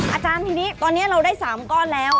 อาจารย์ทีนี้ตอนนี้เราได้๓ก้อนแล้ว